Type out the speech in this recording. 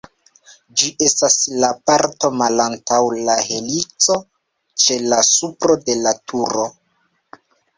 Ĝi estas la parto malantaŭ la helico, ĉe la supro de la turo.